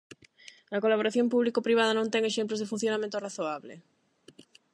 A colaboración público-privada non ten exemplos de funcionamento razoable?